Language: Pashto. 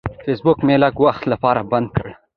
فیسبوک مې لږ وخت لپاره بند کړ.